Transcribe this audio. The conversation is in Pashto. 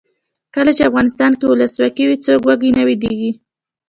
کله چې افغانستان کې ولسواکي وي څوک وږی نه ویدېږي.